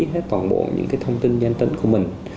hết toàn bộ những thông tin danh tính của mình